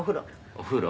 「お風呂？